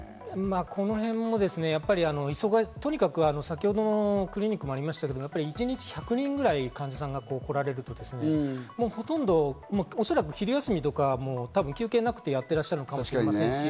このへんも、先ほどのクリニックでもありましたけれども、一日１００人の患者さんが来られると、おそらく昼休みとか、休憩なくてやってらっしゃるかもしれません。